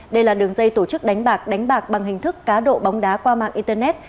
đây là đường dây tổ chức đánh bạc đánh bạc bằng hình thức cá độ bóng đá qua mạng internet